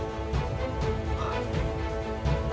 aku benar benar cemas